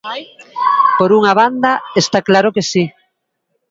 Por unha banda, está claro que si.